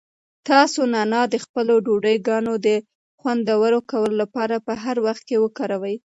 تاسو نعناع د خپلو ډوډۍګانو د خوندور کولو لپاره په هر وخت وکاروئ.